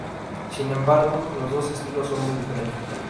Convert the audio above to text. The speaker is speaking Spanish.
Sin embargo, los dos estilos son muy diferentes.